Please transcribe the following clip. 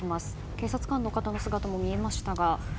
警察官の方の姿も見えましたが。